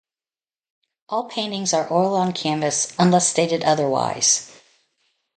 All paintings are oil on canvas unless stated otherwise.